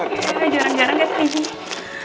jangan jarang jarang ya